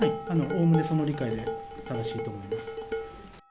おおむねその理解で正しいと思います。